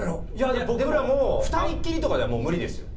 でも２人きりとかではもう無理ですよ。